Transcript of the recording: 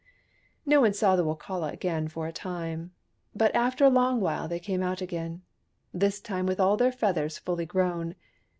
No one saw the Wokala again for a time. But after a long while they came out again, this time with all their feathers fully grown.